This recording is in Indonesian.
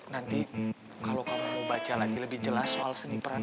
nanti kalau kamu baca lagi lebih jelas soal seni peran